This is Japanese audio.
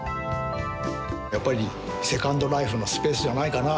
やっぱりセカンドライフのスペースじゃないかな。